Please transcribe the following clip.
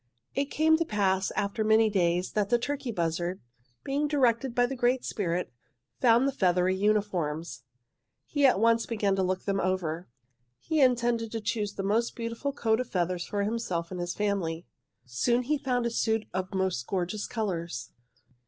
"'It came to pass, after many days, that the turkey buzzard, being directed by the Great Spirit, found the feathery uniforms. "'He at once began to look them over. He intended to choose the most beautiful coat of feathers for himself and his family. "'Soon he found a suit of most gorgeous colours.